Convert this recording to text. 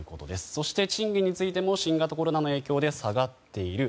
そして賃金についても新型コロナの影響で下がっている。